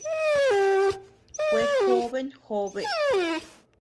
Kuejóbe njóbe.